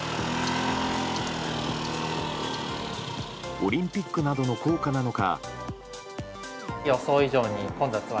オリンピックなどの効果なのか。